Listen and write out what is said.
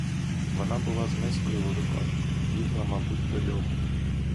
Вона була з мискою в руках, бігла, мабуть, до льоху.